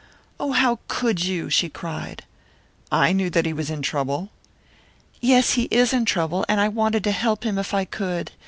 "Oh, how could you!" she cried. "I knew that he was in trouble." "Yes, he is in trouble, and I wanted to help him, if I could.